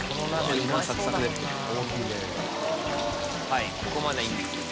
はいここまではいいんですよ。